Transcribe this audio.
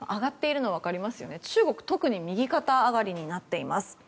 特に右肩上がりになっています。